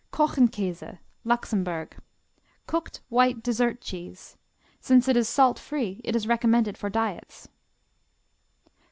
Kochenkäse Luxembourg Cooked white dessert cheese. Since it is salt free it is recommended for diets.